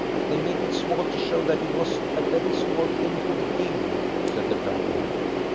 "They make it small to show that it was a very small thing to the King," said the dragoman.